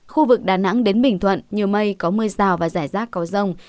khu vực đà nẵng đến bình thuận nhiều mây có mưa rào và rải rác có rông